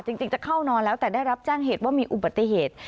จริงจะเข้านอนแล้วแต่ได้รับแจ้งเหตุว่ามีอุบัติเหตุ